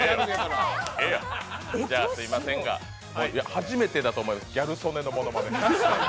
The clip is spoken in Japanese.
初めてだと思います、ギャル曽根のものまね。